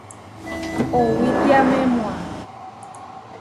Owítiamemua.